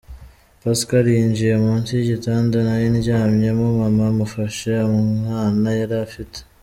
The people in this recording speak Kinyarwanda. Pascal yinjiye munsi y’igitanda nari ndyamyemo, mama amufasha umwana yari afite.